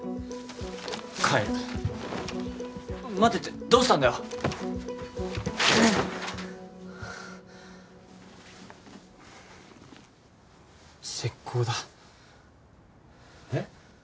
帰る待てってどうしたんだよ絶交だえっ？